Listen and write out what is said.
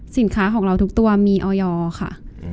สินค้าของเราทุกตัวมีออยอร์ค่ะ